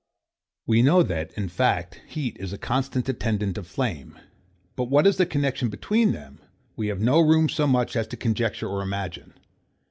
We know, that, in fact, heat is a constant attendant of flame; but what is the connexion between them, we have no room so much as to conjecture or imagine.